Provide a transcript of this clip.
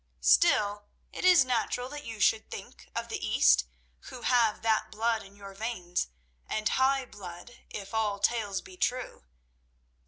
"Still, it is natural that you should think of the East who have that blood in your veins, and high blood, if all tales be true.